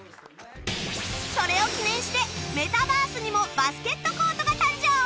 それを記念してメタバースにもバスケットコートが誕生！